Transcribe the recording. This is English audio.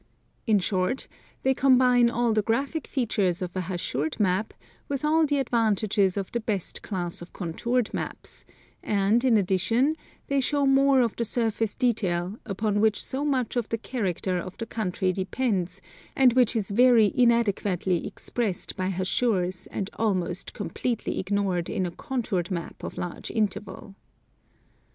In short, they combine all the graphic features of a hachured map with all the advantages of the best class of contoured jnaps, and in addition they show more of the surface detail, upon which so much of the character of the country depends and which is very inadequately expressed by hachures and almost completely ignored in a contoured map of large interval.